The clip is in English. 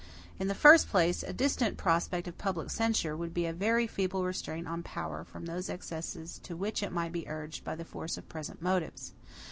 In the first place, a distant prospect of public censure would be a very feeble restraint on power from those excesses to which it might be urged by the force of present motives.